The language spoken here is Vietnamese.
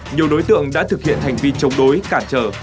nhiều đối tượng đã thực hiện hành vi chống đối cản trở